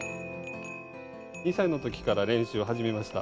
２歳のときから練習を始めました。